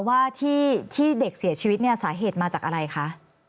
ว่าที่เด็กเสียชีวิตเนี่ยสาเหตุมาจากอะไรคะ